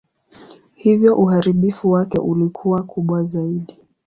Hivyo uharibifu wake ulikuwa kubwa zaidi.